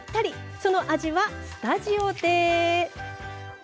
その味はスタジオで。